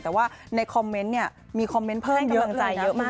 แต่ว่าในคอมเมนต์นี้มีคอมเมนต์เพิ่มเยอะนะคะ